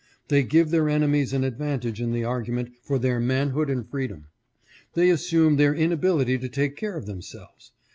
They give their enemies an advantage in the argument for their man hood and freedom. They assume their inability to take care of them selves.